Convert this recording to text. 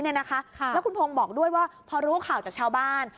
แล้วคุณพงศ์บอกด้วยว่าพอรู้ข่าวจากชาวบ้าน